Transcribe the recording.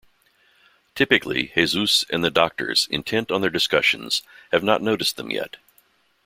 Typically, Jesus and the doctors, intent on their discussions, have not noticed them yet.